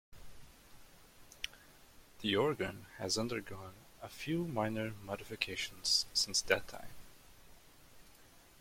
The organ has undergone a few minor modifications since that time.